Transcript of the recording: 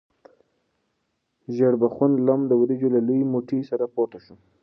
ژیړبخون لم د وریجو له لوی موټي سره پورته شو.